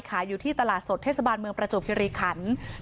อยู่ที่ตลาดสดเทศบาลเมืองประจวบคิริขัน